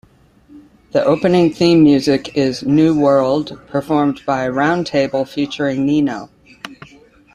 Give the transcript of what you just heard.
The opening theme music is "New World", performed by Round Table featuring Nino.